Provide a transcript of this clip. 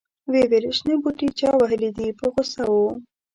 ویې ویل شنه بوټي چا وهلي دي په غوسه و.